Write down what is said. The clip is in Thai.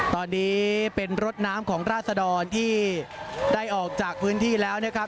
ตอนนี้เป็นรถน้ำของราศดรที่ได้ออกจากพื้นที่แล้วนะครับ